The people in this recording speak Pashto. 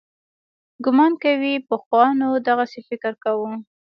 ګومان کوي پخوانو دغسې فکر کاوه.